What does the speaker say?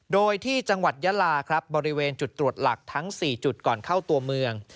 โดยที่จังหวัดยาลาครับบริเวณจุดตรวจหลักทั้ง๔จุดก่อนเข้าตัวเมือง